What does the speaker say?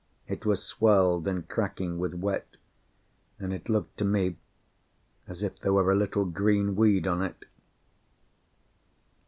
It was swelled and cracking with wet, and it looked to me as if there were a little green weed on it.